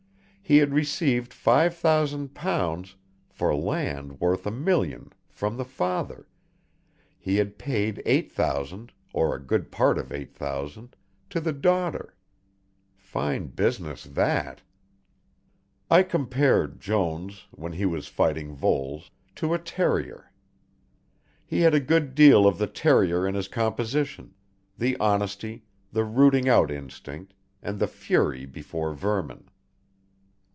He had received five thousand pounds for land worth a million from the father, he had paid eight thousand, or a good part of eight thousand to the daughter. Fine business that! I compared Jones, when he was fighting Voles, to a terrier. He had a good deal of the terrier in his composition, the honesty, the rooting out instinct, and the fury before vermin.